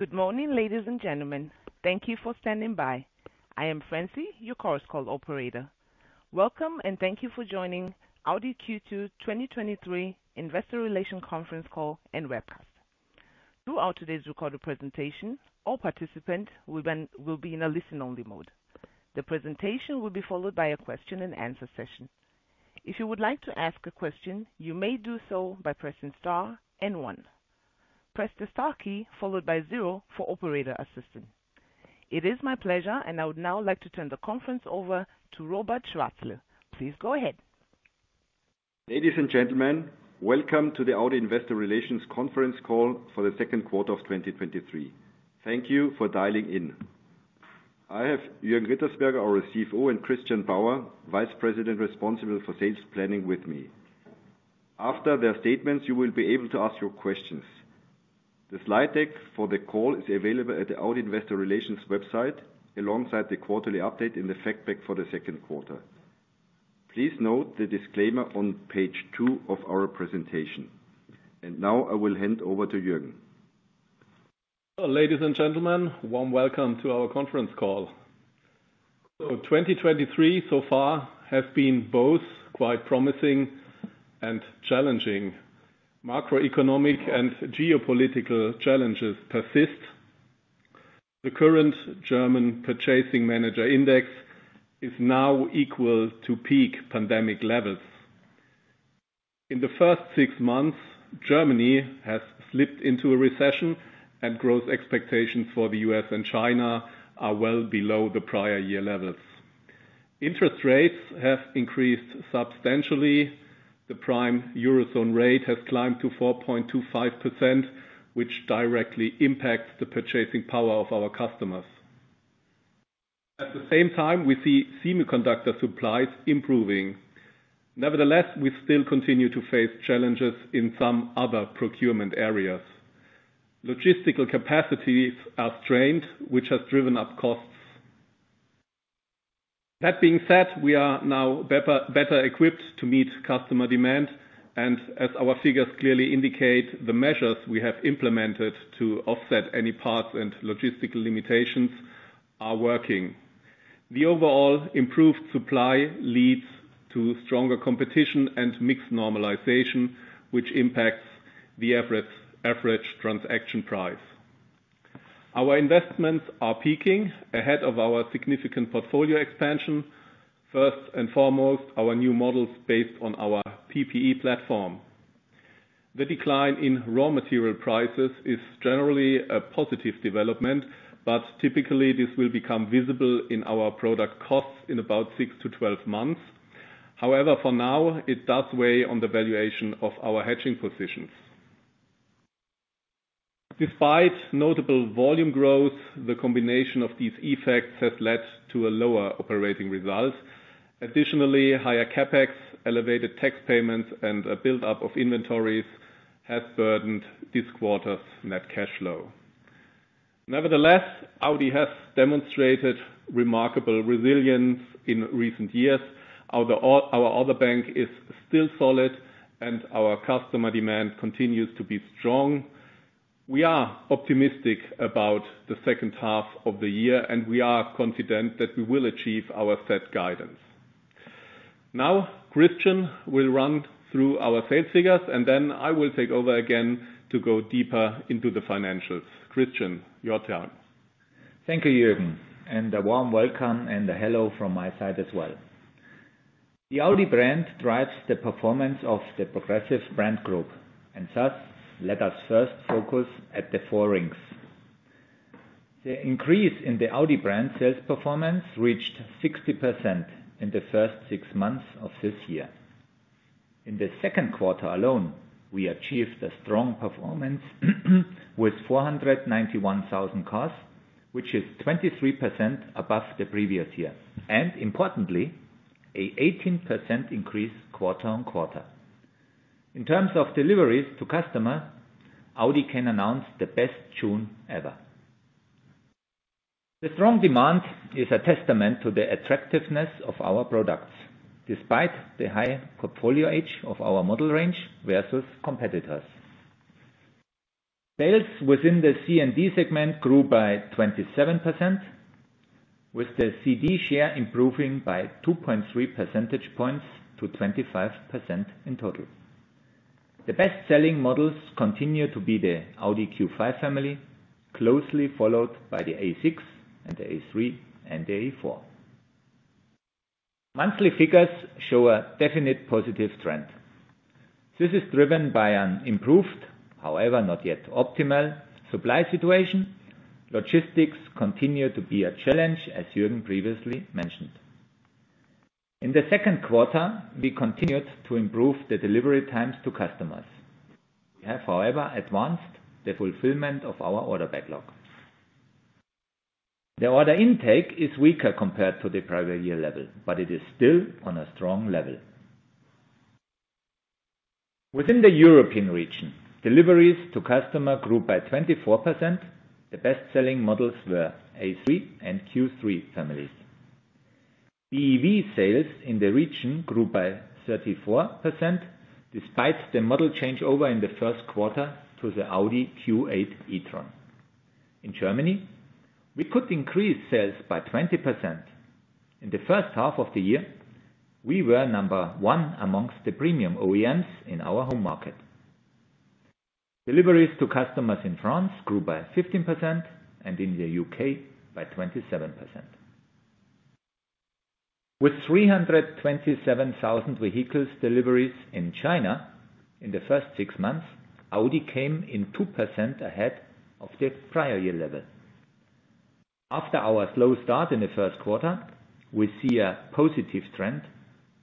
Good morning, ladies and gentlemen. Thank you for standing by. I am Francie, your Chorus Call operator. Welcome, and thank you for joining Audi Q2 2023 Investor Relations conference call and webcast. Throughout today's recorded presentation, all participant will be in a listen-only mode. The presentation will be followed by a question and answer session. If you would like to ask a question, you may do so by pressing star and One. Press the star key followed by zero for operator assistance. It is my pleasure, and I would now like to turn the conference over to Robert Schwarzl. Please go ahead. Ladies and gentlemen, welcome to the Audi Investor Relations conference call for the 2Q of 2023. Thank you for dialing in. I have Jürgen Rittersberger, our CFO, and Christian Bauer, Vice President, responsible for Sales Planning with me. After their statements, you will be able to ask your questions. The slide deck for the call is available at the Audi Investor Relations website, alongside the quarterly update in the fact pack for the 2Q. Please note the disclaimer on page 2 of our presentation. Now I will hand over to Jürgen. Ladies and gentlemen, warm welcome to our conference call. 2023 so far has been both quite promising and challenging. Macroeconomic and geopolitical challenges persist. The current German Purchasing Managers' Index is now equal to peak pandemic levels. In the first six months, Germany has slipped into a recession, and growth expectations for the U.S. and China are well below the prior year levels. Interest rates have increased substantially. The prime Eurozone rate has climbed to 4.25%, which directly impacts the purchasing power of our customers. At the same time, we see semiconductor supplies improving. Nevertheless, we still continue to face challenges in some other procurement areas. Logistical capacities are strained, which has driven up costs. That being said, we are now better, better equipped to meet customer demand, and as our figures clearly indicate, the measures we have implemented to offset any parts and logistical limitations are working. The overall improved supply leads to stronger competition and mixed normalization, which impacts the average, average transaction price. Our investments are peaking ahead of our significant portfolio expansion, first and foremost, our new models based on our PPE platform. The decline in raw material prices is generally a positive development, but typically this will become visible in our product costs in about 6 to 12 months. However, for now, it does weigh on the valuation of our hedging positions. Despite notable volume growth, the combination of these effects has led to a lower operating result. Additionally, higher CapEx, elevated tax payments, and a buildup of inventories has burdened this quarter's net cash flow. Nevertheless, Audi has demonstrated remarkable resilience in recent years. Our other bank is still solid, and our customer demand continues to be strong. We are optimistic about the second half of the year, and we are confident that we will achieve our set guidance. Christian will run through our sales figures, and then I will take over again to go deeper into the financials. Christian, your turn. Thank you, Jürgen, A warm welcome and a hello from my side as well. The Audi brand drives the performance of the Brand Group Progressive, Thus, let us first focus at the four rings. The increase in the Audi brand sales performance reached 60% in the first six months of this year. In the second quarter alone, we achieved a strong performance, with 491,000 cars, which is 23% above the previous year, Importantly, an 18% increase quarter-on-quarter. In terms of deliveries to customer, Audi can announce the best June ever. The strong demand is a testament to the attractiveness of our products, despite the high portfolio age of our model range versus competitors. Sales within the C and D segment grew by 27%, with the CD share improving by 2.3 percentage points to 25% in total. The best-selling models continue to be the Audi Q5 family, closely followed by the A6 and the A3 and the A4. Monthly figures show a definite positive trend. This is driven by an improved, however, not yet optimal, supply situation. Logistics continue to be a challenge, as Jürgen previously mentioned. In the second quarter, we continued to improve the delivery times to customers. We have, however, advanced the fulfillment of our order backlog. The order intake is weaker compared to the prior year level, but it is still on a strong level. Within the European region, deliveries to customer grew by 24%. The best-selling models were A3 and Q3 families. BEV sales in the region grew by 34%, despite the model changeover in the 1st quarter to the Audi Q8 e-tron. In Germany, we could increase sales by 20%. In the 1st half of the year, we were number 1 amongst the premium OEMs in our home market. Deliveries to customers in France grew by 15%, and in the U.K. by 27%. With 327,000 vehicles deliveries in China in the 1st 6 months, Audi came in 2% ahead of the prior year level. After our slow start in the 1st quarter, we see a positive trend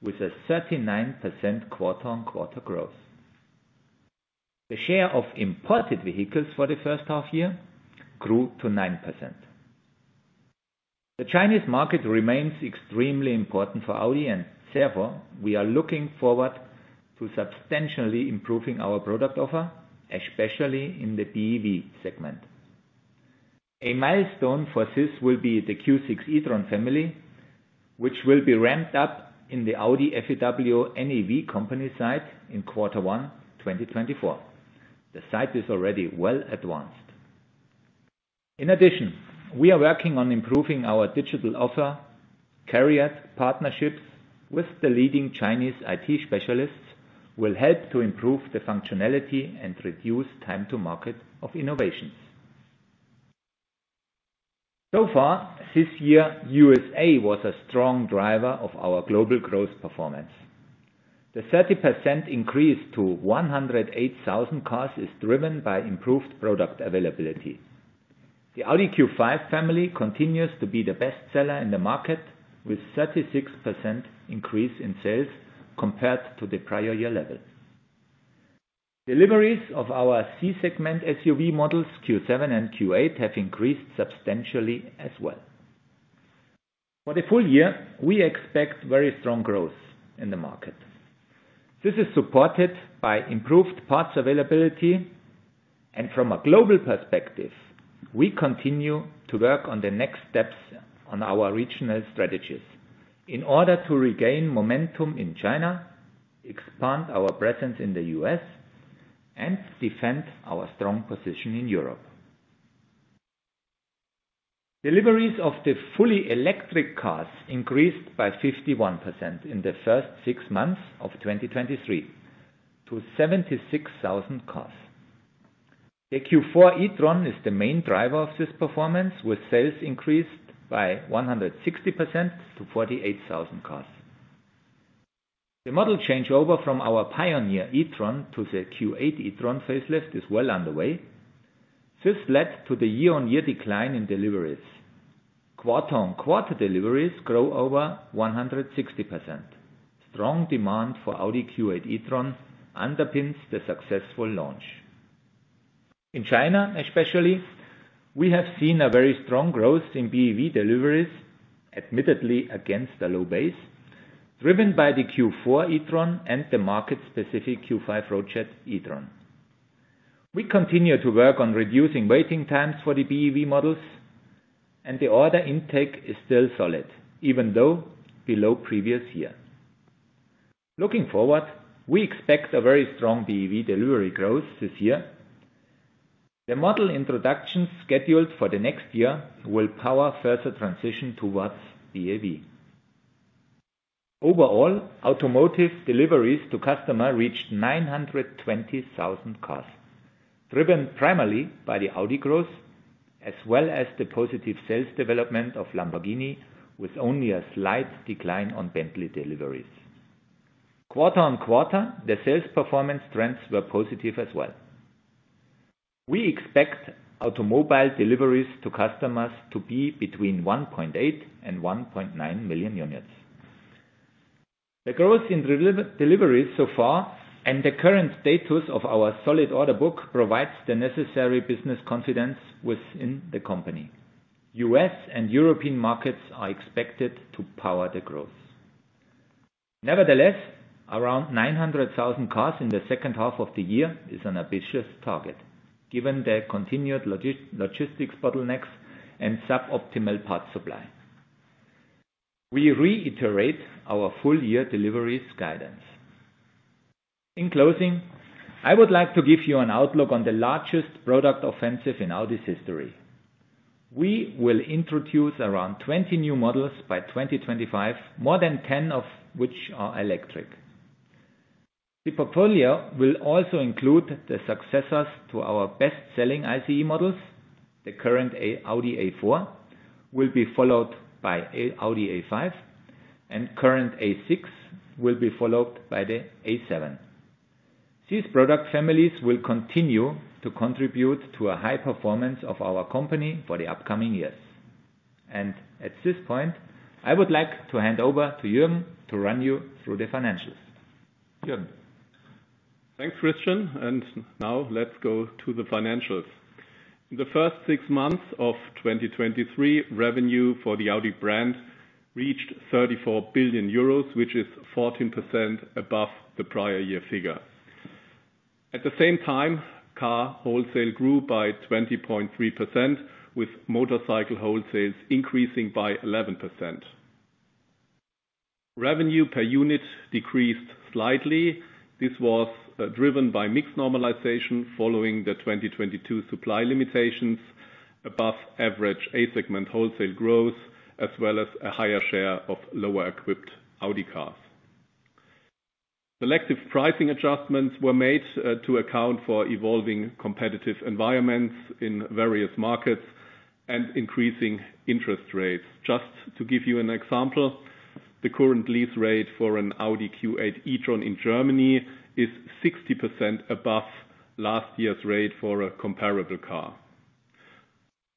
with a 39% quarter-on-quarter growth. The share of imported vehicles for the 1st half year grew to 9%. The Chinese market remains extremely important for Audi, and therefore, we are looking forward to substantially improving our product offer, especially in the BEV segment. A milestone for this will be the Q6 e-tron family, which will be ramped up in the Audi FAW NEV company site in quarter one, 2024. The site is already well advanced. In addition, we are working on improving our digital offer, CARIAD partnerships with the leading Chinese IT specialists will help to improve the functionality and reduce time to market of innovations. So far this year, USA was a strong driver of our global growth performance. The 30% increase to 108,000 cars is driven by improved product availability. The Audi Q5 family continues to be the best seller in the market, with 36% increase in sales compared to the prior year level. Deliveries of our C segment SUV models, Q7 and Q8, have increased substantially as well. For the full year, we expect very strong growth in the market. This is supported by improved parts availability, and from a global perspective, we continue to work on the next steps on our regional strategies in order to regain momentum in China, expand our presence in the U.S., and defend our strong position in Europe. Deliveries of the fully electric cars increased by 51% in the first 6 months of 2023 to 76,000 cars. The Q4 e-tron is the main driver of this performance, with sales increased by 160% to 48,000 cars. The model changeover from our pioneer e-tron to the Q8 e-tron facelift is well underway. This led to the year-on-year decline in deliveries. Quarter-on-quarter, deliveries grow over 160%. Strong demand for Audi Q8 e-tron underpins the successful launch. In China, especially, we have seen a very strong growth in BEV deliveries, admittedly against a low base, driven by the Q4 e-tron and the market-specific Q5 e-tron. We continue to work on reducing waiting times for the BEV models, and the order intake is still solid, even though below previous year. Looking forward, we expect a very strong BEV delivery growth this year. The model introductions scheduled for the next year will power further transition towards BEV. Overall, automotive deliveries to customer reached 920,000 cars, driven primarily by the Audi growth, as well as the positive sales development of Lamborghini, with only a slight decline on Bentley deliveries. Quarter on quarter, the sales performance trends were positive as well. We expect automobile deliveries to customers to be between 1.8 million and 1.9 million units. The growth in deliveries so far and the current status of our solid order book provides the necessary business confidence within the company. U.S. and European markets are expected to power the growth. Nevertheless, around 900,000 cars in the second half of the year is an ambitious target, given the continued logistics bottlenecks and suboptimal parts supply. We reiterate our full year deliveries guidance. In closing, I would like to give you an outlook on the largest product offensive in Audi's history. We will introduce around 20 new models by 2025, more than 10 of which are electric. The portfolio will also include the successors to our best-selling ICE models. The current Audi A4 will be followed by Audi A5, and current A6 will be followed by the A7. These product families will continue to contribute to a high performance of our company for the upcoming years. At this point, I would like to hand over to Jürgen to run you through the financials. Jürgen? Thanks, Christian. Now let's go to the financials. In the first six months of 2023, revenue for the Audi brand reached 34 billion euros, which is 14% above the prior year figure. At the same time, car wholesale grew by 20.3%, with motorcycle wholesales increasing by 11%. Revenue per unit decreased slightly. This was driven by mixed normalization following the 2022 supply limitations, above average A-segment wholesale growth, as well as a higher share of lower-equipped Audi cars. Selective pricing adjustments were made to account for evolving competitive environments in various markets and increasing interest rates. Just to give you an example, the current lease rate for an Audi Q8 e-tron in Germany is 60% above last year's rate for a comparable car.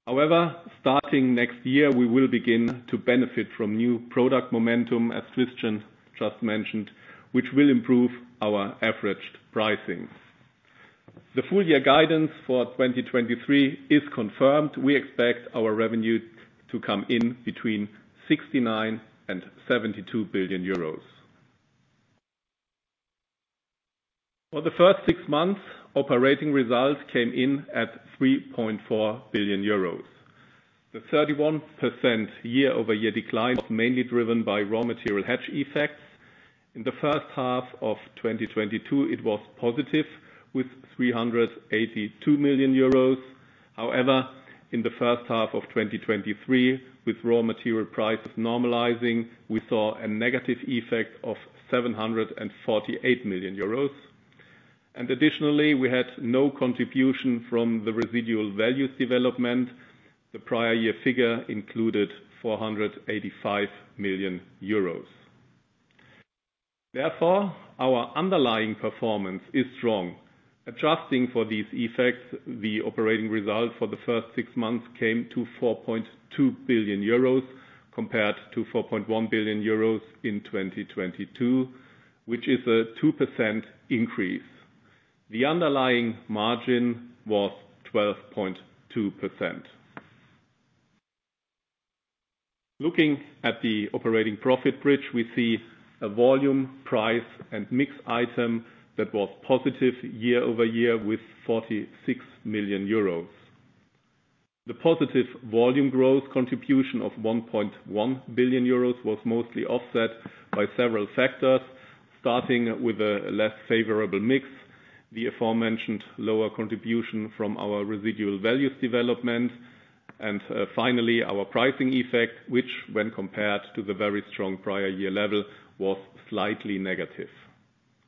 However, starting next year, we will begin to benefit from new product momentum, as Christian just mentioned, which will improve our averaged pricing. The full year guidance for 2023 is confirmed. We expect our revenue to come in between 69 billion and 72 billion euros. For the first six months, operating results came in at 3.4 billion euros. The 31% year-over-year decline was mainly driven by raw material hedge effects. In the first half of 2022, it was positive, with 382 million euros. However, in the first half of 2023, with raw material prices normalizing, we saw a negative effect of 748 million euros. Additionally, we had no contribution from the residual values development. The prior year figure included 485 million euros. Therefore, our underlying performance is strong. Adjusting for these effects, the operating result for the first six months came to 4.2 billion euros, compared to 4.1 billion euros in 2022, which is a 2% increase. The underlying margin was 12.2%. Looking at the operating profit bridge, we see a volume, price, and mix item that was positive year-over-year with 46 million euros. The positive volume growth contribution of 1.1 billion euros was mostly offset by several factors, starting with a less favorable mix, the aforementioned lower contribution from our residual values development, and finally, our pricing effect, which, when compared to the very strong prior year level, was slightly negative.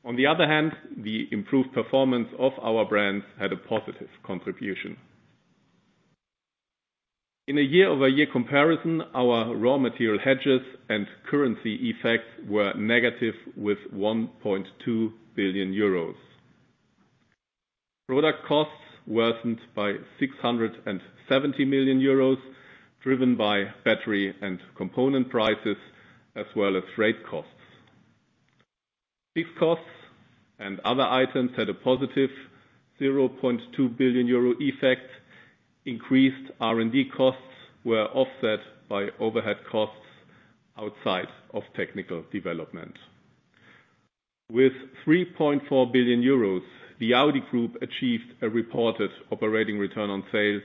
On the other hand, the improved performance of our brands had a positive contribution. In a year-over-year comparison, our raw material hedges and currency effects were negative, with 1.2 billion euros. Product costs worsened by 670 million euros, driven by battery and component prices, as well as freight costs. Fixed costs and other items had a positive 0.2 billion euro effect. Increased R&D costs were offset by overhead costs outside of technical development. With 3.4 billion euros, the Audi Group achieved a reported operating return on sales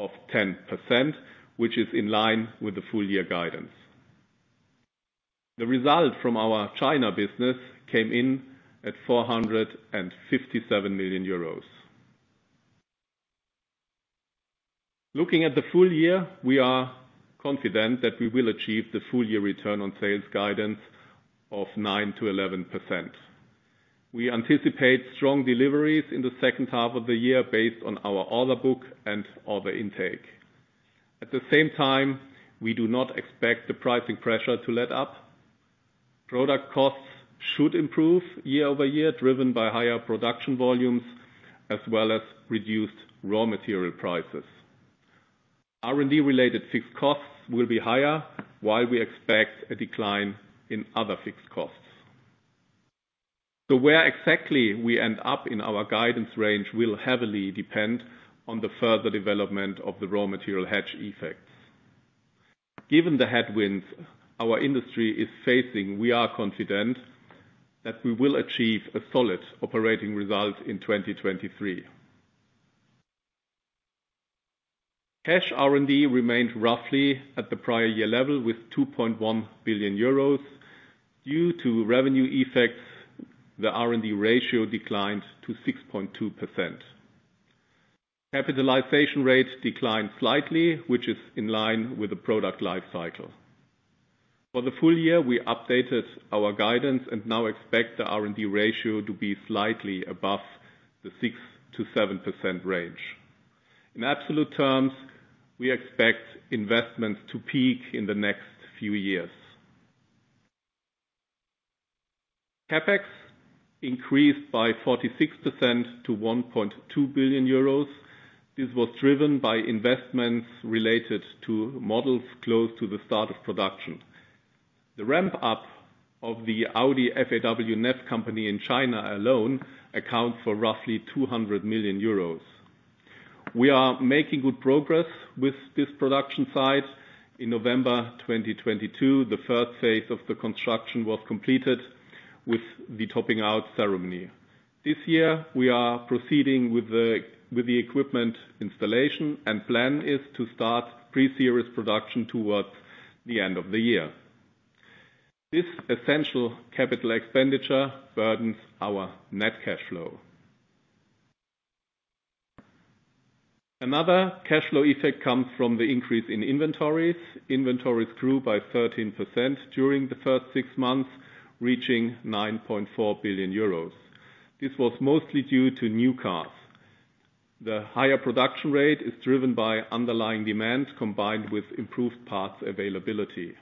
of 10%, which is in line with the full year guidance. The result from our China business came in at 457 million euros. Looking at the full year, we are confident that we will achieve the full year return on sales guidance of 9%-11%. We anticipate strong deliveries in the second half of the year based on our order book and order intake. At the same time, we do not expect the pricing pressure to let up. Product costs should improve year-over-year, driven by higher production volumes, as well as reduced raw material prices. R&D-related fixed costs will be higher, while we expect a decline in other fixed costs. Where exactly we end up in our guidance range will heavily depend on the further development of the raw material hedge effects. Given the headwinds our industry is facing, we are confident that we will achieve a solid operating result in 2023. Cash R&D remained roughly at the prior year level, with 2.1 billion euros. Due to revenue effects, the R&D ratio declined to 6.2%. Capitalization rates declined slightly, which is in line with the product life cycle. For the full year, we updated our guidance and now expect the R&D ratio to be slightly above the 6%-7% range. In absolute terms, we expect investments to peak in the next few years. CapEx increased by 46% to 1.2 billion euros. This was driven by investments related to models close to the start of production. The ramp-up of the Audi FAW NEV Company in China alone accounts for roughly 200 million euros. We are making good progress with this production site. In November 2022, the third phase of the construction was completed with the topping out ceremony. This year, we are proceeding with the equipment installation, and plan is to start pre-series production towards the end of the year. This essential capital expenditure burdens our net cash flow. Another cash flow effect comes from the increase in inventories. Inventories grew by 13% during the first six months, reaching 9.4 billion euros. This was mostly due to new cars. The higher production rate is driven by underlying demand, combined with improved parts availability.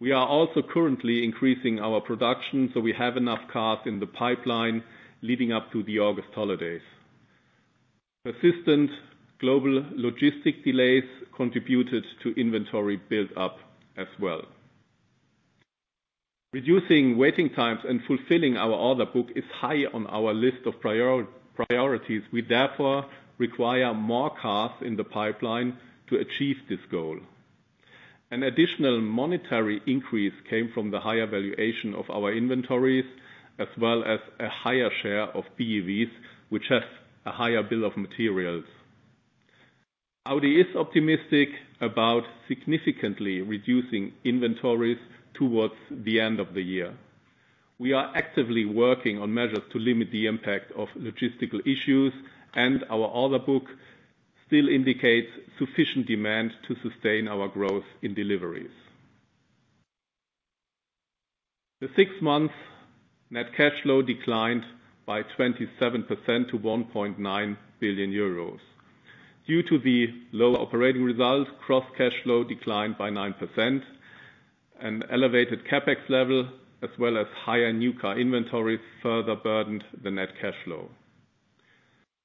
We are also currently increasing our production, so we have enough cars in the pipeline leading up to the August holidays. Persistent global logistic delays contributed to inventory build-up as well. Reducing waiting times and fulfilling our order book is high on our list of priorities. We therefore require more cars in the pipeline to achieve this goal. An additional monetary increase came from the higher valuation of our inventories, as well as a higher share of BEVs, which has a higher bill of materials. Audi is optimistic about significantly reducing inventories towards the end of the year. We are actively working on measures to limit the impact of logistical issues, and our order book still indicates sufficient demand to sustain our growth in deliveries. The six months net cash flow declined by 27% to 1.9 billion euros. Due to the lower operating results, cross-cash flow declined by 9%, and elevated CapEx level, as well as higher new car inventories, further burdened the net cash flow.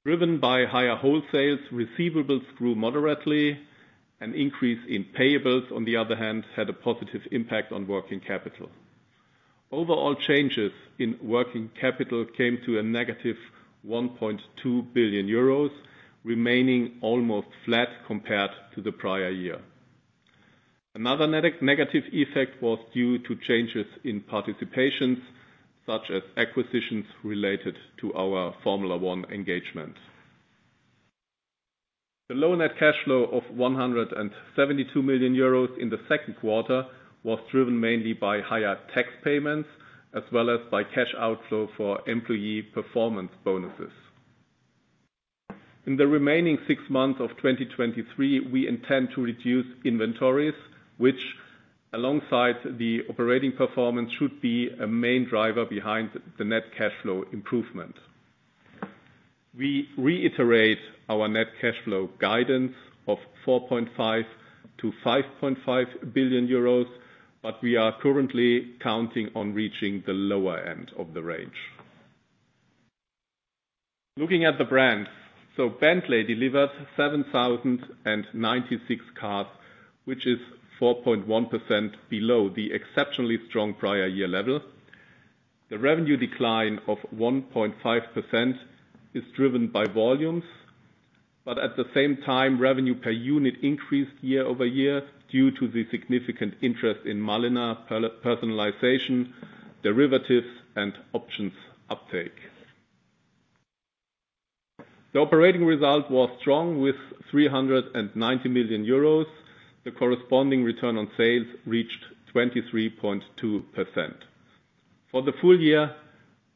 Driven by higher wholesales, receivables grew moderately. An increase in payables, on the other hand, had a positive impact on working capital. Overall changes in working capital came to a -1.2 billion euros, remaining almost flat compared to the prior year. Another negative effect was due to changes in participation, such as acquisitions related to our Formula 1 engagement. The low net cash flow of 172 million euros in the second quarter was driven mainly by higher tax payments, as well as by cash outflow for employee performance bonuses. In the remaining six months of 2023, we intend to reduce inventories, which alongside the operating performance, should be a main driver behind the net cash flow improvement. We reiterate our net cash flow guidance of 4.5 billion-5.5 billion euros, but we are currently counting on reaching the lower end of the range. Looking at the brands, Bentley delivered 7,096 cars, which is 4.1% below the exceptionally strong prior year level. The revenue decline of 1.5% is driven by volumes, but at the same time, revenue per unit increased year-over-year due to the significant interest in Mulliner personalization, derivatives, and options uptake. The operating result was strong, with 390 million euros. The corresponding return on sales reached 23.2%. For the full year,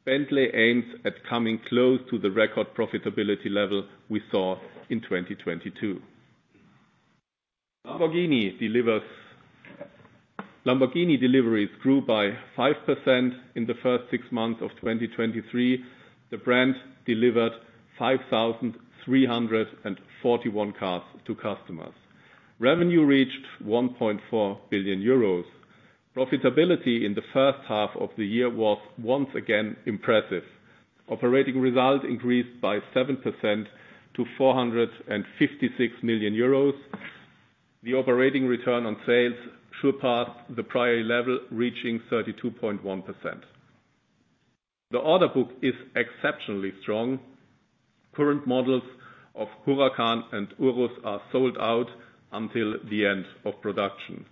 Bentley aims at coming close to the record profitability level we saw in 2022. Lamborghini deliveries grew by 5% in the first six months of 2023. The brand delivered 5,341 cars to customers. Revenue reached 1.4 billion euros. Profitability in the first half of the year was once again impressive. Operating results increased by 7% to 456 million euros. The operating return on sales surpassed the prior level, reaching 32.1%. The order book is exceptionally strong. Current models of Huracán and Urus are sold out until the end of production.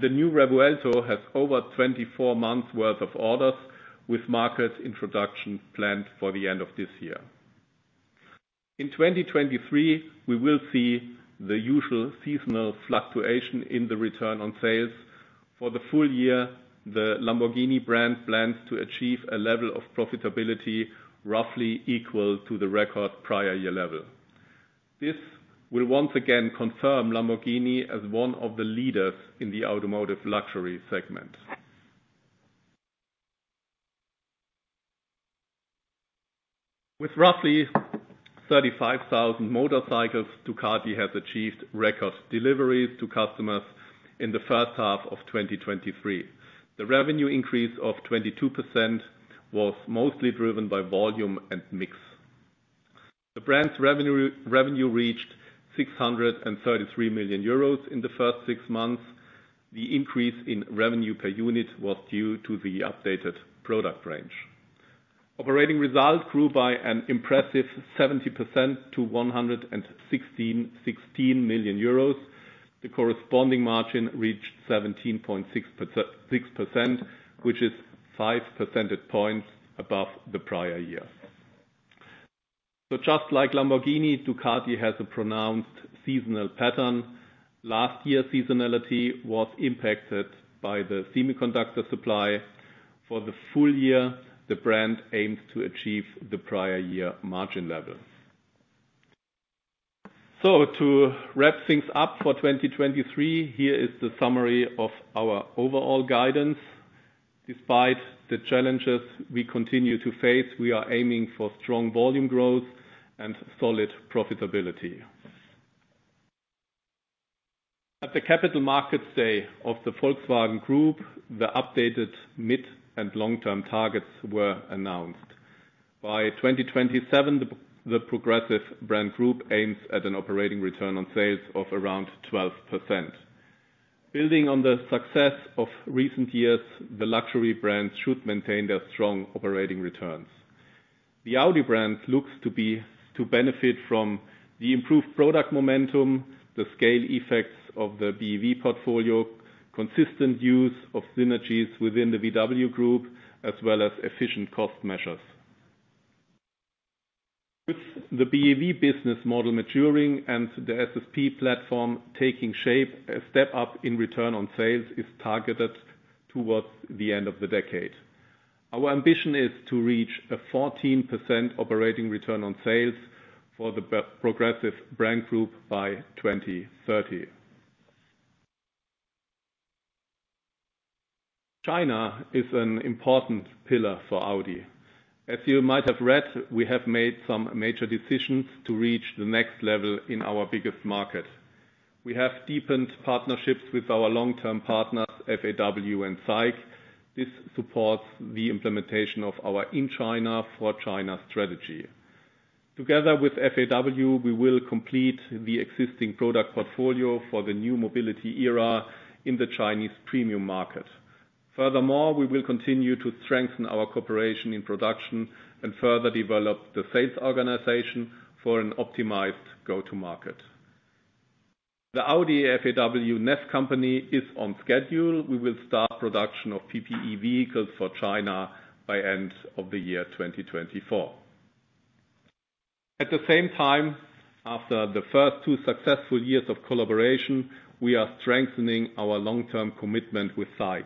The new Revuelto has over 24 months worth of orders, with market introduction planned for the end of this year. In 2023, we will see the usual seasonal fluctuation in the return on sales. For the full year, the Lamborghini brand plans to achieve a level of profitability roughly equal to the record prior year level. This will once again confirm Lamborghini as one of the leaders in the automotive luxury segment. With roughly 35,000 motorcycles, Ducati has achieved record deliveries to customers in the first half of 2023. The revenue increase of 22% was mostly driven by volume and mix. The brand's revenue reached 633 million euros in the first six months. The increase in revenue per unit was due to the updated product range. Operating results grew by an impressive 70% to 116 million euros. The corresponding margin reached 17.6%, which is 5 percentage points above the prior year. Just like Lamborghini, Ducati has a pronounced seasonal pattern. Last year, seasonality was impacted by the semiconductor supply. For the full year, the brand aims to achieve the prior year margin level. To wrap things up for 2023, here is the summary of our overall guidance. Despite the challenges we continue to face, we are aiming for strong volume growth and solid profitability. At the Capital Markets Day of the Volkswagen Group, the updated mid- and long-term targets were announced. By 2027, the Progressive Brand Group aims at an operating return on sales of around 12%. Building on the success of recent years, the Luxury brands should maintain their strong operating returns. The Audi brand looks to benefit from the improved product momentum, the scale effects of the BEV portfolio, consistent use of synergies within the VW Group, as well as efficient cost measures. With the BEV business model maturing and the SSP platform taking shape, a step up in return on sales is targeted towards the end of the decade. Our ambition is to reach a 14% operating return on sales for the Brand Group by 2030. China is an important pillar for Audi. As you might have read, we have made some major decisions to reach the next level in our biggest market. We have deepened partnerships with our long-term partners, FAW and SAIC. This supports the implementation of our In China, For China strategy. Together with FAW, we will complete the existing product portfolio for the new mobility era in the Chinese premium market. Furthermore, we will continue to strengthen our cooperation in production and further develop the sales organization for an optimized go-to-market. The Audi FAW NEV Company is on schedule. We will start production of PPE vehicles for China by end of the year 2024. At the same time, after the first two successful years of collaboration, we are strengthening our long-term commitment with SAIC.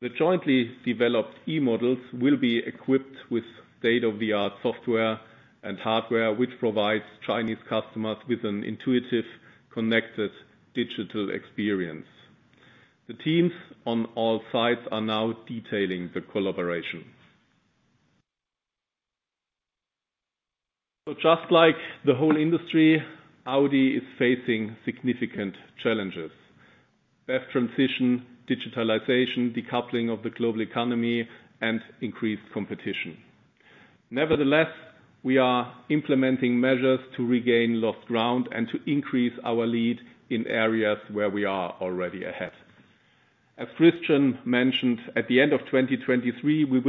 The jointly developed e-models will be equipped with state-of-the-art software and hardware, which provides Chinese customers with an intuitive, connected digital experience. The teams on all sides are now detailing the collaboration. Just like the whole industry, Audi is facing significant challenges: best transition, digitalization, decoupling of the global economy, and increased competition. Nevertheless, we are implementing measures to regain lost ground and to increase our lead in areas where we are already ahead. As Christian mentioned, at the end of 2023, we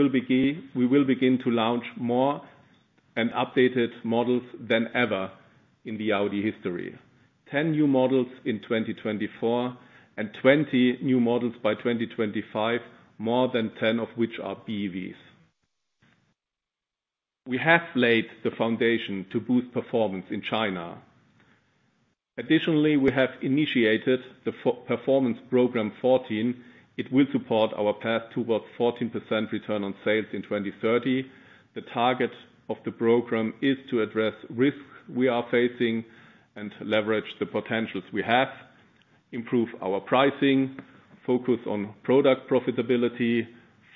will begin to launch more and updated models than ever in the Audi history. 10 new models in 2024, and 20 new models by 2025, more than 10 of which are BEVs. We have laid the foundation to boost performance in China. Additionally, we have initiated the Performance Program 14. It will support our path towards 14% return on sales in 2030. The target of the program is to address risks we are facing and leverage the potentials we have, improve our pricing, focus on product profitability,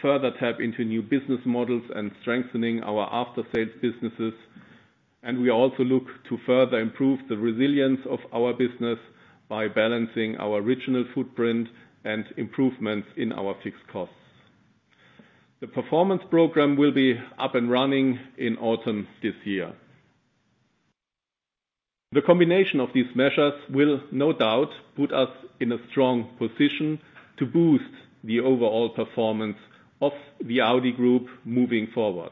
further tap into new business models, and strengthening our after-sales businesses. We also look to further improve the resilience of our business by balancing our regional footprint and improvements in our fixed costs. The performance program will be up and running in autumn this year. The combination of these measures will no doubt put us in a strong position to boost the overall performance of the Audi Group moving forward.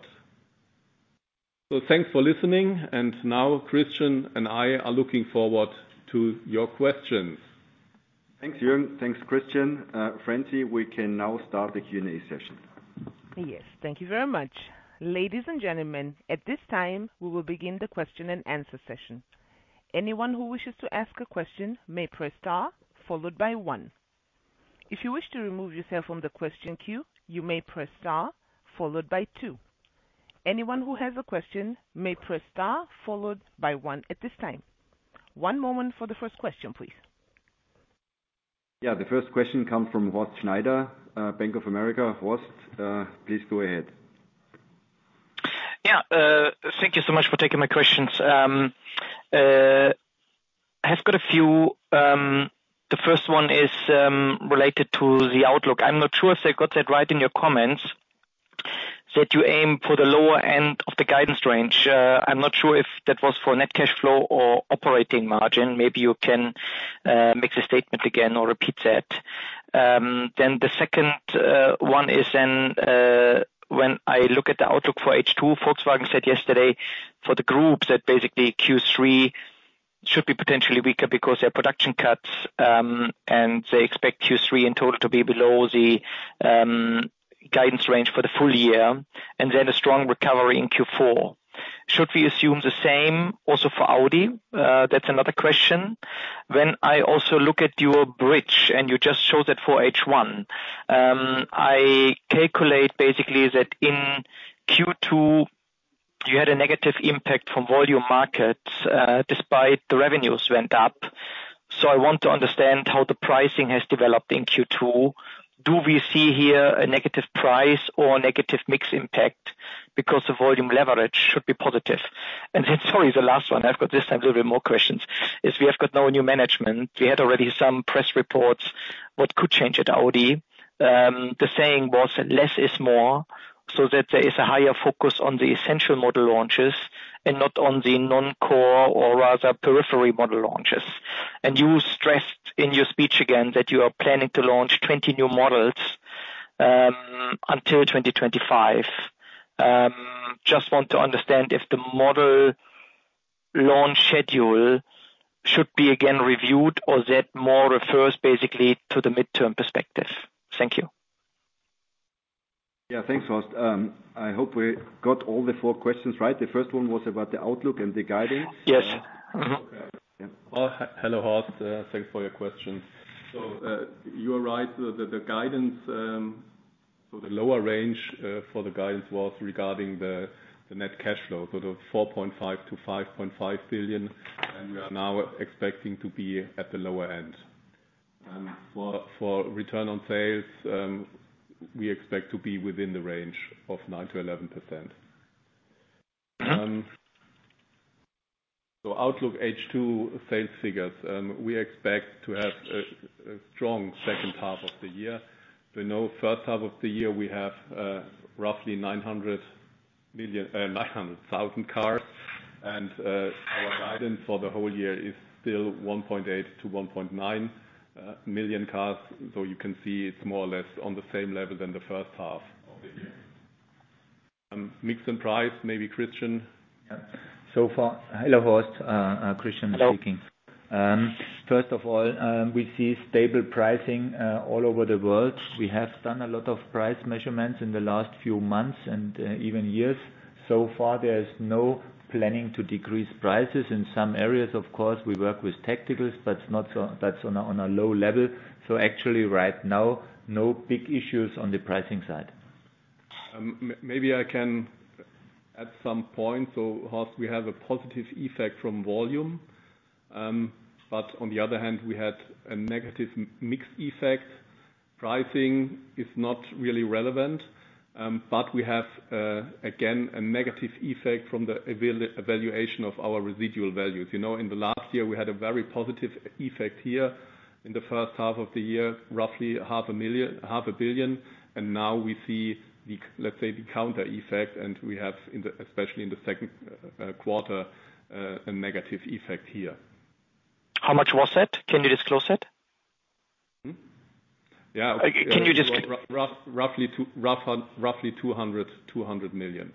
Thanks for listening, and now Christian and I are looking forward to your questions. Thanks, Jürgen. Thanks, Christian. Francie, we can now start the Q&A session. Yes, thank you very much. Ladies and gentlemen, at this time, we will begin the question and answer session. Anyone who wishes to ask a question may press star followed by one. If you wish to remove yourself from the question queue, you may press star followed by two. Anyone who has a question may press star followed by one at this time. One moment for the first question, please. The first question comes from Horst Schneider, Bank of America. Horst, please go ahead. Yeah, thank you so much for taking my questions. I have got a few, the first one is related to the outlook. I'm not sure if I got that right in your comments, that you aim for the lower end of the guidance range. I'm not sure if that was for net cash flow or operating margin. Maybe you can make the statement again or repeat that. Then the second one is then, when I look at the outlook for H2, Volkswagen said yesterday for the group, that basically Q3 should be potentially weaker because their production cuts, and they expect Q3 in total to be below the guidance range for the full year, and then a strong recovery in Q4. Should we assume the same also for Audi? That's another question. When I also look at your bridge, and you just showed that for H1, I calculate basically, that in Q2, you had a negative impact from volume markets, despite the revenues went up. I want to understand how the pricing has developed in Q2. Do we see here a negative price or negative mix impact? Because the volume leverage should be positive. Then sorry, the last one, I've got this time a little bit more questions, is we have got now a new management. We had already some press reports, what could change at Audi. The saying was that, "Less is more," so that there is a higher focus on the essential model launches and not on the non-core or rather, periphery model launches. You stressed in your speech again, that you are planning to launch 20 new models until 2025. Just want to understand if the model launch schedule should be again reviewed, or that more refers basically to the midterm perspective? Thank you. Yeah, thanks, Horst. I hope we got all the four questions right. The first one was about the outlook and the guidance. Yes. Mm-hmm. Okay, yeah. Hello, Horst, thanks for your questions. You are right, the guidance, so the lower range for the guidance was regarding the net cash flow, 4.5 billion-5.5 billion, and we are now expecting to be at the lower end. For return on sales, we expect to be within the range of 9%-11%. Outlook H2 sales figures, we expect to have a strong second half of the year. We know first half of the year, we have roughly 900 million, 900,000 cars. Our guidance for the whole year is still 1.8 million-1.9 million cars. You can see it's more or less on the same level than the first half of the year. Mix and price, maybe Christian? Yeah. So far... Hello, Horst, Christian speaking. Hello. First of all, we see stable pricing all over the world. We have done a lot of price measurements in the last few months and even years. So far, there is no planning to decrease prices. In some areas, of course, we work with tacticals, but that's on a low level. Actually right now, no big issues on the pricing side. Maybe I can add some points. Horst, we have a positive effect from volume, but on the other hand, we had a negative mix effect. Pricing is not really relevant, but we have again a negative effect from the evaluation of our residual values. You know, in the last year, we had a very positive effect here in the first half of the year, roughly EUR 500,000, 500 million, and now we see the counter effect, and we have in the, especially in the second quarter, a negative effect here. How much was that? Can you disclose that? Hmm. Can you. roughly two, roughly EUR 200 million.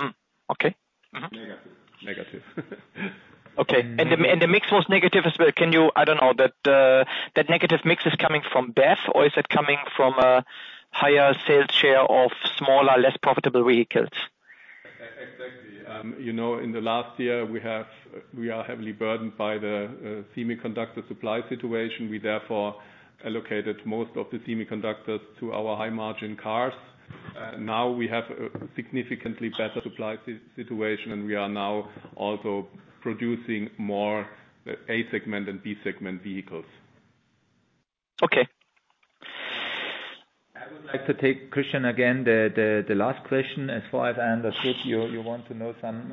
Hmm, okay. Mm-hmm. Negative. Negative. Okay. The mix was negative as well. Can you... I don't know, that, that negative mix is coming from BEV, or is it coming from a higher sales share of smaller, less profitable vehicles? Exactly. You know, in the last year, we have, we are heavily burdened by the semiconductor supply situation. We therefore allocated most of the semiconductors to our high-margin cars. Now we have a significantly better supply situation, and we are now also producing more A segment and B segment vehicles. Okay. I would like to take, Christian again, the, the, the last question. As far as I understood, you, you want to know some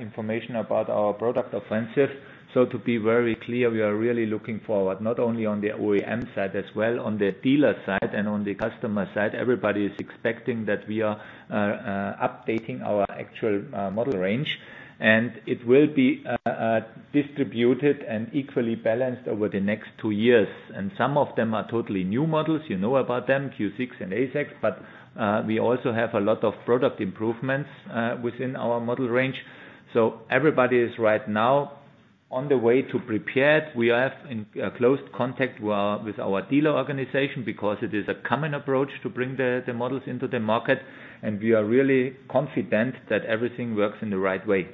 information about our product offensive. To be very clear, we are really looking forward, not only on the OEM side, as well on the dealer side and on the customer side. Everybody is expecting that we are updating our actual model range, and it will be distributed and equally balanced over the next 2 years. Some of them are totally new models. You know about them, Q6 and A6, but we also have a lot of product improvements within our model range. Everybody is right now on the way to prepared. We are in close contact with our, with our dealer organization, because it is a common approach to bring the, the models into the market, and we are really confident that everything works in the right way.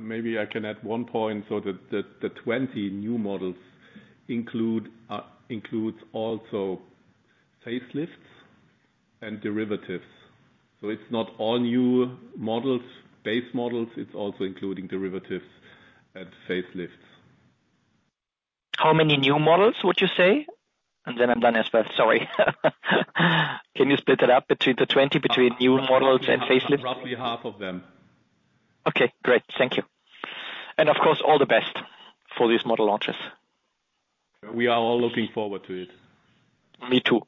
Maybe I can add one point, so the, the, the 20 new models include includes also facelifts and derivatives. It's not all new models, base models, it's also including derivatives and facelifts. How many new models would you say? Then I'm done as well. Sorry. Can you split it up between the 20, between new models and facelifts? Roughly 1/2 of them. Okay, great. Thank you. Of course, all the best for these model launches. We are all looking forward to it. Me too.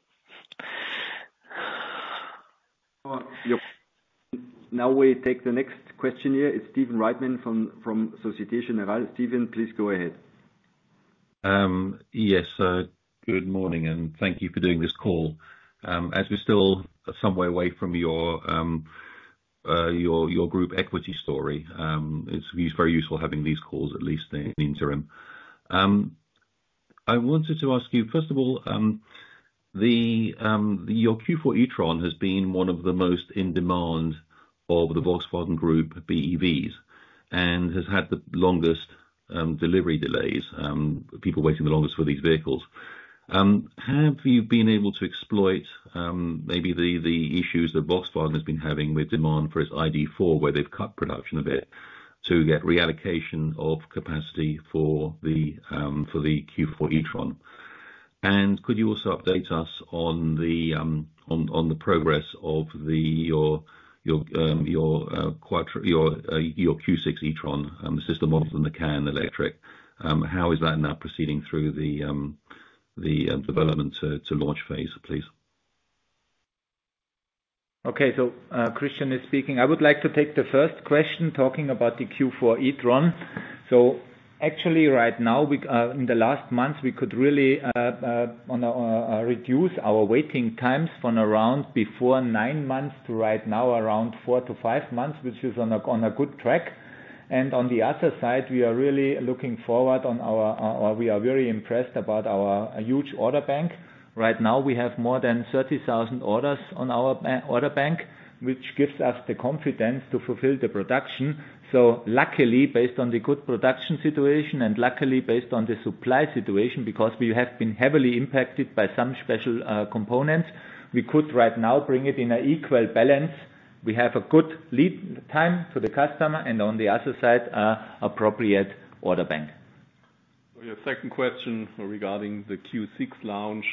We take the next question here, its Stephen Reitman from Société Générale. Stephen, please go ahead. Yes, good morning, and thank you for doing this call. As we're still some way away from your, your group equity story, it's very useful having these calls at least in the interim. I wanted to ask you, first of all, the, your Q4 e-tron has been one of the most in demand of the Volkswagen Group BEVs, and has had the longest delivery delays, people waiting the longest for these vehicles. Have you been able to exploit, maybe the, the issues that Volkswagen has been having with demand for its ID.4, where they've cut production a bit, to get reallocation of capacity for the Q4 e-tron? Could you also update us on the progress of your Q6 e-tron, the sister model and the Macan Electric, how is that now proceeding through the development to launch phase, please? Okay, Christian is speaking. I would like to take the first question, talking about the Audi Q4 e-tron. Actually, right now, we in the last month, we could really reduce our waiting times from around before nine months to right now, around four to five months, which is on a good track. On the other side, we are really looking forward on our, or we are very impressed about our huge order bank. Right now, we have more than 30,000 orders on our order bank, which gives us the confidence to fulfill the production. Luckily, based on the good production situation, and luckily based on the supply situation, because we have been heavily impacted by some special components, we could right now bring it in an equal balance. We have a good lead time for the customer, and on the other side, a appropriate order bank. Your second question regarding the Q6 launch.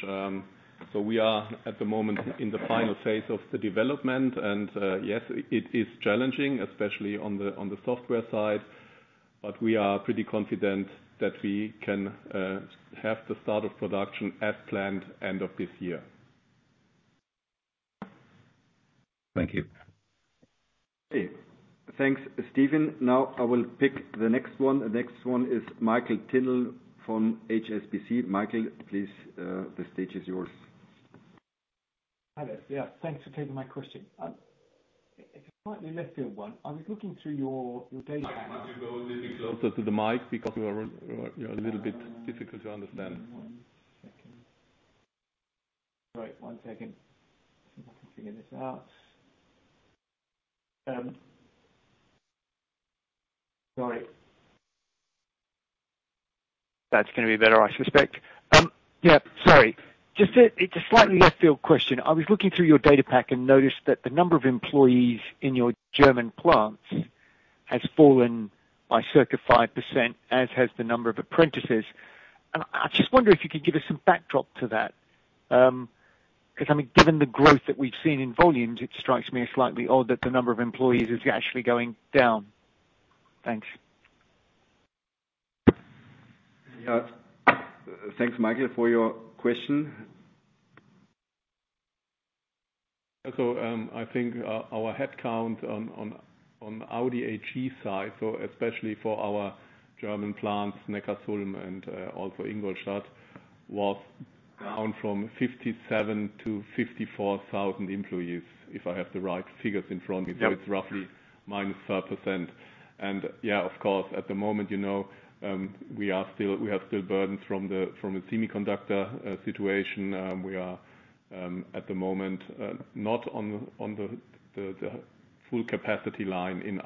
We are, at the moment, in the final phase of the development, and yes, it is challenging, especially on the, on the software side, but we are pretty confident that we can, have the start of production as planned, end of this year. Thank you. Okay. Thanks, Stephen. I will pick the next one. The next one is Michael Tyndall from HSBC. Michael, please, the stage is yours. Hi there. Yeah, thanks for taking my question. It's a slightly left field one. I was looking through your, your data. Michael, could you go a little bit closer to the mic because you are, you are a little bit difficult to understand. One second. Sorry, one second. See if I can figure this out. Sorry. That's going to be better, I suspect. Yeah, sorry. Just it's a slightly left field question. I was looking through your data pack and noticed that the number of employees in your German plants has fallen by circa 5%, as has the number of apprentices. I just wonder if you could give us some backdrop to that. Because, I mean, given the growth that we've seen in volumes, it strikes me as slightly odd that the number of employees is actually going down. Thanks. Yeah. Thanks, Michael, for your question. I think our headcount on, on, on the Audi AG side, so especially for our German plants, Neckarsulm and also Ingolstadt, was down from 57 to 54,000 employees, if I have the right figures in front of me. Yep. It's roughly minus 30%. Yeah, of course, at the moment, you know, we are still, we have still burdens from the semiconductor situation. We are at the moment not on the full capacity line in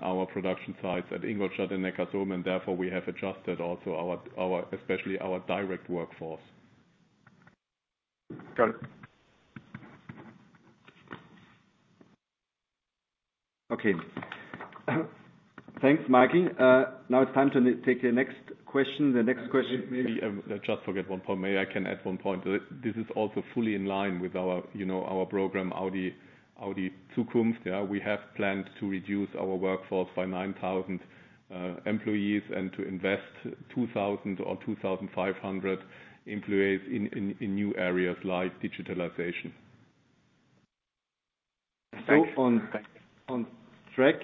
our production sites at Ingolstadt and Neckarsulm, and therefore, we have adjusted also especially our direct workforce. Got it. Okay. Thanks, Mikey. Now it's time to take the next question. Just forget one point. Maybe I can add one point. This is also fully in line with our, you know, our program, Audi.Zukunft. We have planned to reduce our workforce by 9,000 employees and to invest 2,000 or 2,500 employees in new areas like digitalization. Thanks. On track.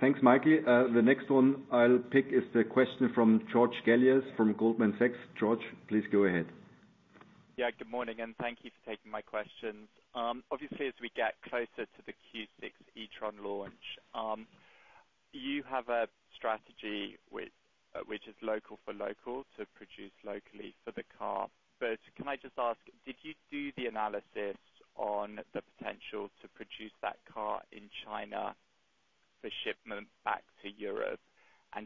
Thanks, Mikey. The next one I'll pick is the question from George Galliers from Goldman Sachs. George, please go ahead. Yeah, good morning, and thank you for taking my questions. Obviously, as we get closer to the Q6 e-tron launch, you have a strategy which is local for local, to produce locally for the car. Can I just ask, did you do the analysis on the potential to produce that car in China for shipment back to Europe?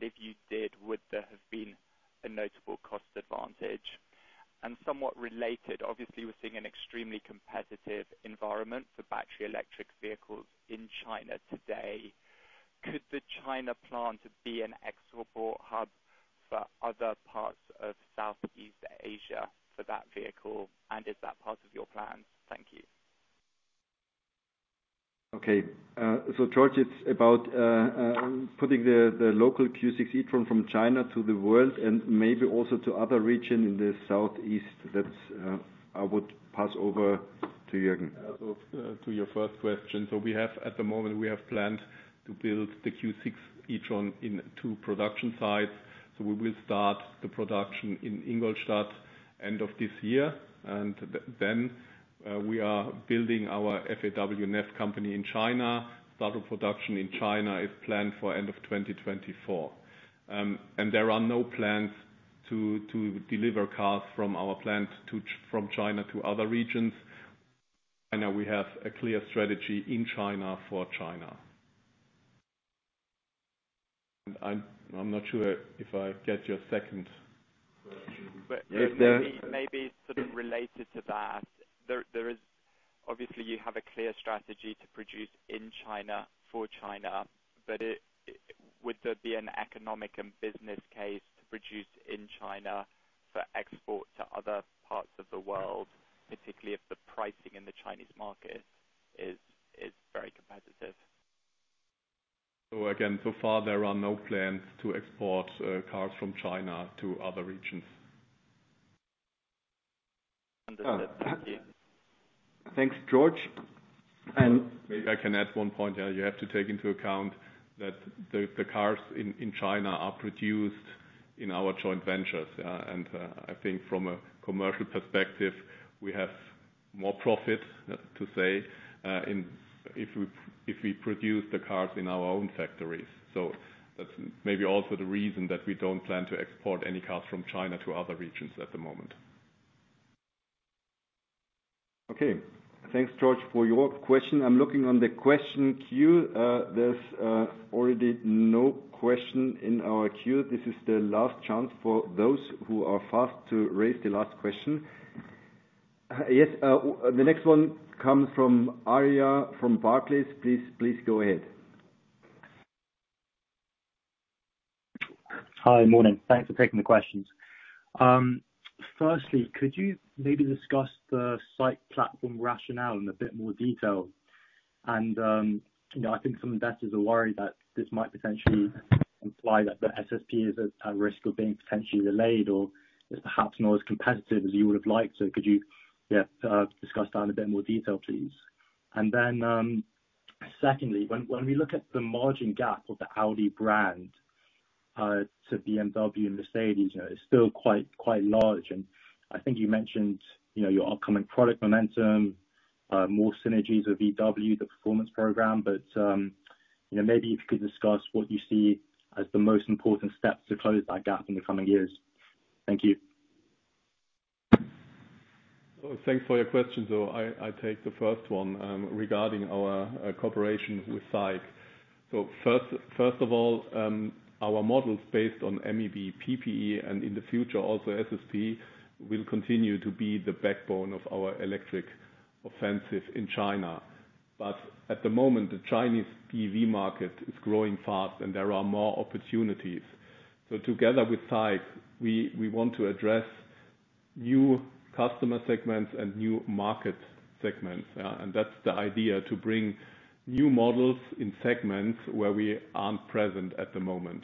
If you did, would there have been a notable cost advantage? Somewhat related, obviously, we're seeing an extremely competitive environment for battery electric vehicles in China today. Could the China plant be an export hub for other parts of Southeast Asia for that vehicle, and is that part of your plan? Thank you. Okay, George, it's about putting the local Q6 e-tron from China to the world, and maybe also to other region in the Southeast. That's, I would pass over to Jürgen. To your first question, we have, at the moment, we have planned to build the Q6 e-tron in two production sites. We will start the production in Ingolstadt end of this year, and then we are building our FAW NEV Company in China. Start of production in China is planned for end of 2024. There are no plans to deliver cars from our plant from China to other regions. I know we have a clear strategy In China, For China. I'm not sure if I get your second question. Maybe, maybe sort of related to that, Obviously, you have a clear strategy to produce in China for China, but it would there be an economic and business case to produce in China for export to other parts of the world, particularly if the pricing in the Chinese market is very competitive? Again, so far, there are no plans to export cars from China to other regions. Understood. Thank you. Thanks, George, and- Maybe I can add one point there. You have to take into account that the, the cars in, in China are produced in our joint ventures. And I think from a commercial perspective, we have more profit, to say, in, if we, if we produce the cars in our own factories. That's maybe also the reason that we don't plan to export any cars from China to other regions at the moment. Okay. Thanks, George, for your question. I'm looking on the question queue. There's already no question in our queue. This is the last chance for those who are fast to raise the last question. Yes, the next one comes from Arya from Barclays. Please, please go ahead. Hi, morning. Thanks for taking the questions. Firstly, could you maybe discuss the SAIC platform rationale in a bit more detail? You know, I think some investors are worried that this might potentially imply that the SSP is at, at risk of being potentially delayed or is perhaps not as competitive as you would have liked. So could you discuss that in a bit more detail, please? Secondly, when, when we look at the margin gap of the Audi brand to BMW and Mercedes, you know, it's still quite, quite large, and I think you mentioned, you know, your upcoming product momentum, more synergies with VW, the Performance Program. You know, maybe if you could discuss what you see as the most important steps to close that gap in the coming years. Thank you. Oh, thanks for your question, so I, I take the first one, regarding our cooperation with SAIC. First, first of all, our models based on MEB PPE, and in the future, also SSP, will continue to be the backbone of our electric offensive in China. At the moment, the Chinese EV market is growing fast, and there are more opportunities. Together with SAIC, we, we want to address new customer segments and new market segments, and that's the idea, to bring new models in segments where we aren't present at the moment.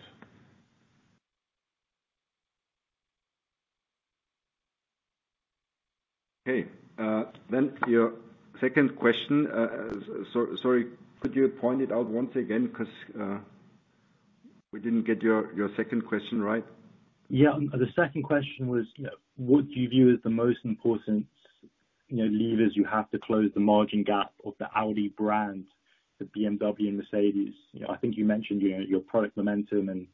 Okay, your second question, sorry, could you point it out once again? Because, we didn't get your, your second question right. Yeah, the second question was, what do you view as the most important, you know, levers you have to close the margin gap of the Audi brand to BMW and Mercedes? You know, I think you mentioned, you know, your product momentum and,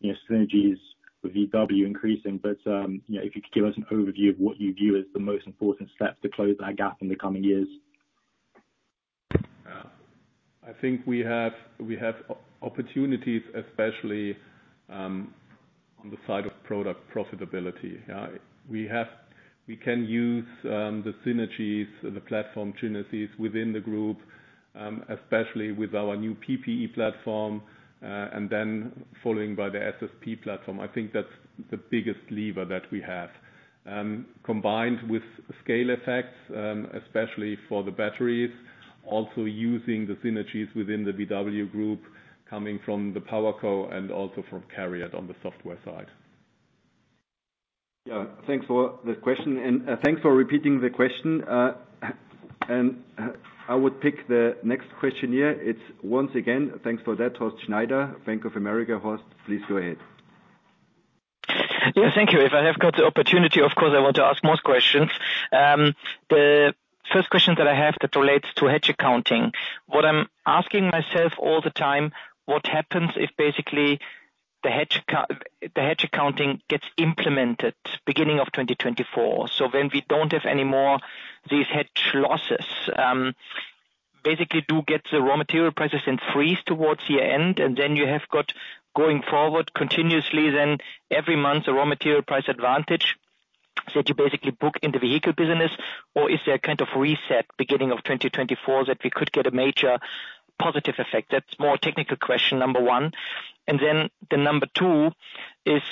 you know, synergies with VW increasing. You know, if you could give us an overview of what you view as the most important steps to close that gap in the coming years. I think we have, we have opportunities, especially on the side of product profitability. We can use the synergies, the platform synergies within the group, especially with our new PPE platform, and then following by the SSP platform. I think that's the biggest lever that we have. Combined with scale effects, especially for the batteries, also using the synergies within the VW Group, coming from the PowerCo and also from CARIAD on the software side. Yeah, thanks for the question, and thanks for repeating the question. I would pick the next question here. It's once again, thanks for that, Horst Schneider, Bank of America. Horst, please go ahead. Yeah, thank you. If I have got the opportunity, of course, I want to ask more questions. The first question that I have that relates to hedge accounting. What I'm asking myself all the time: what happens if basically the hedge accounting gets implemented beginning of 2024? When we don't have any more these hedge losses, basically do get the raw material prices and freeze towards the end, and then you have got going forward continuously, then every month, a raw material price advantage that you basically book in the vehicle business, or is there a kind of reset beginning of 2024 that we could get a major positive effect? That's more technical question, number one. The number two is,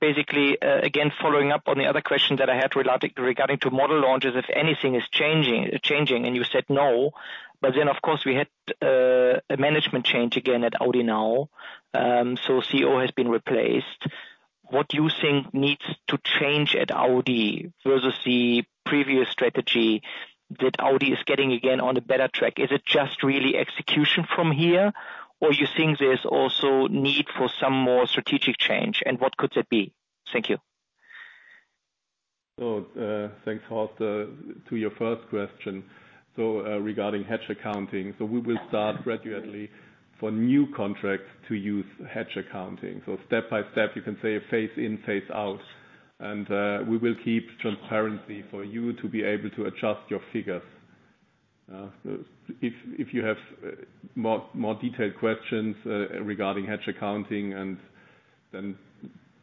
basically, again, following up on the other question that I had related regarding to model launches, if anything is changing, changing, and you said no. Of course, we had a management change again at Audi now. CEO has been replaced. What do you think needs to change at Audi versus the previous strategy, that Audi is getting again on a better track? Is it just really execution from here, or you think there's also need for some more strategic change, and what could that be? Thank you. Thanks, Horst. To your first question, regarding hedge accounting, we will start gradually for new contracts to use hedge accounting. Step by step, you can say, phase in, phase out, and we will keep transparency for you to be able to adjust your figures. If you have more detailed questions regarding hedge accounting, then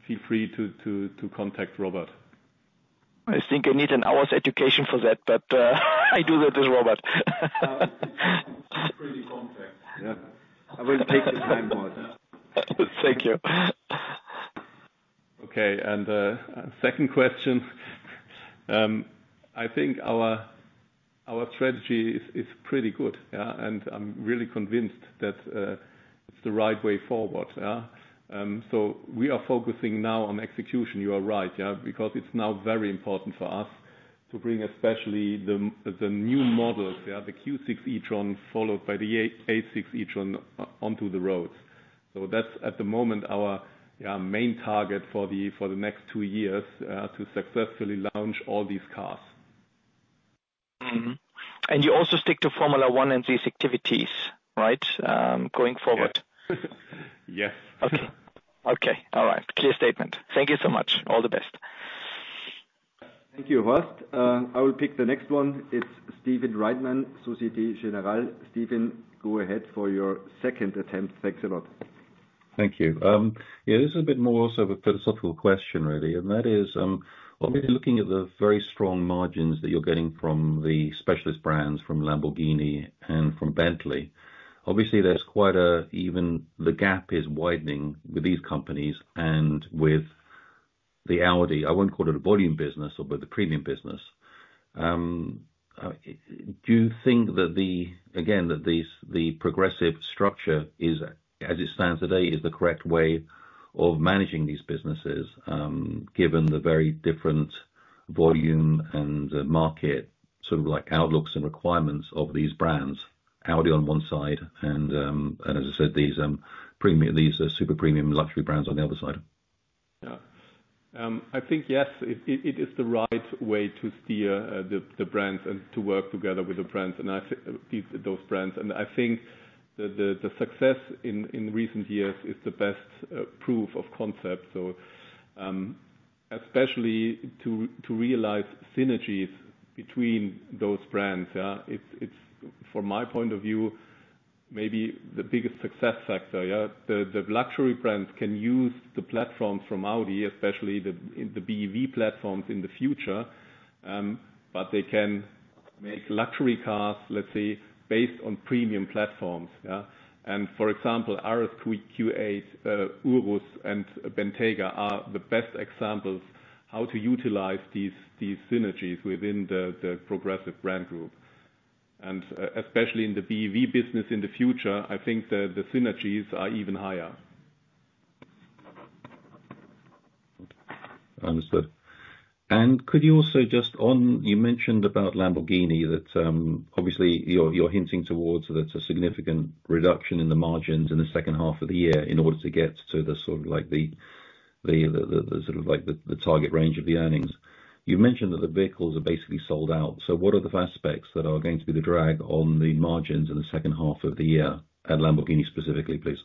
feel free to contact Robert. I think I need an hour's education for that, but I do that with Robert. Pretty complex, yeah. I will take the time, Horst. Thank you. Second question. I think our strategy is pretty good, yeah, and I'm really convinced that it's the right way forward, yeah. We are focusing now on execution, you are right, yeah, because it's now very important for us to bring especially the new models, the Q6 e-tron, followed by the A6 e-tron, onto the roads. That's, at the moment, our, yeah, main target for the next two years to successfully launch all these cars. Mm-hmm. You also stick to Formula 1 in these activities, right, going forward? Yes. Okay. Okay, all right. Clear statement. Thank you so much. All the best. Thank you, Horst. I will pick the next one. It's Stephen Reidman, Société Générale. Stephen, go ahead for your second attempt. Thanks a lot. Thank you. Yeah, this is a bit more also of a philosophical question, really, and that is, obviously, looking at the very strong margins that you're getting from the specialist brands, from Lamborghini and from Bentley, obviously, there's quite a... Even the gap is widening with these companies and with the Audi, I wouldn't call it a volume business, or with the premium business. Do you think that the, again, that these, the Progressive structure is, as it stands today, is the correct way of managing these businesses, given the very different volume and the market, sort of like outlooks and requirements of these brands, Audi on one side and, as I said, these, premium- these super premium luxury brands on the other side? Yeah. I think, yes, it, it, it is the right way to steer the, the brands and to work together with the brands, and I think those brands. I think the, the, the success in, in recent years is the best proof of concept. Especially to, to realize synergies between those brands, yeah, it's, it's, from my point of view, maybe the biggest success factor, yeah. The, the luxury brands can use the platforms from Audi, especially the, the BEV platforms in the future, but they can make luxury cars, let's say, based on premium platforms, yeah. For example, RS Q8, Urus and Bentayga are the best examples how to utilize these, these synergies within the, the Brand Group Progressive. Especially in the BEV business in the future, I think the, the synergies are even higher. Understood. Could you also just You mentioned about Lamborghini, that, obviously, you're, you're hinting towards that a significant reduction in the margins in the second half of the year in order to get to the sort of like the, the, the, the, sort of like the, the target range of the earnings. You mentioned that the vehicles are basically sold out, so what are the aspects that are going to be the drag on the margins in the second half of the year at Lamborghini, specifically, please?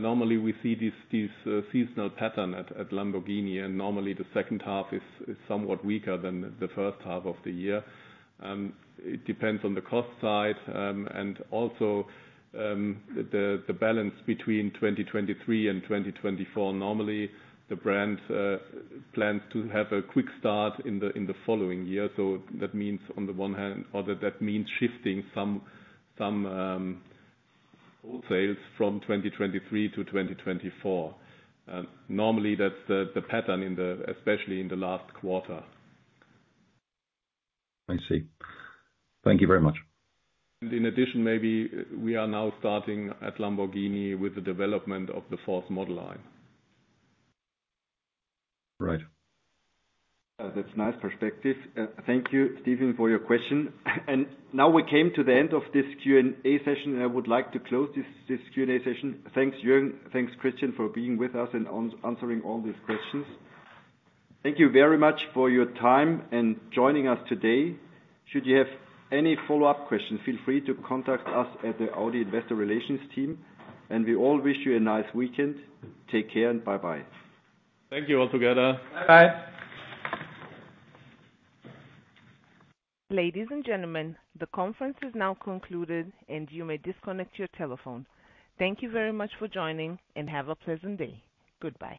Normally, we see these, these, seasonal pattern at, at Lamborghini, and normally the second half is, is somewhat weaker than the first half of the year. It depends on the cost side, and also, the, the balance between 2023 and 2024. Normally, the brand, plans to have a quick start in the, in the following year, so that means on the one hand, or that, that means shifting some, some, sales from 2023 to 2024. Normally, that's the, the pattern in the, especially in the last quarter. I see. Thank you very much. In addition, maybe we are now starting at Lamborghini with the development of the fourth model line. Right. That's nice perspective. Thank you, Stephen, for your question. Now we came to the end of this Q&A session, and I would like to close this Q&A session. Thanks, Jürgen, thanks, Christian, for being with us and answering all these questions. Thank you very much for your time and joining us today. Should you have any follow-up questions, feel free to contact us at the Audi Investor Relations team, and we all wish you a nice weekend. Take care and bye-bye. Thank you, all together. Bye-bye. Ladies and gentlemen, the conference is now concluded, and you may disconnect your telephone. Thank you very much for joining, and have a pleasant day. Goodbye.